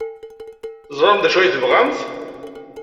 Teẓramt d acu ay tebɣamt.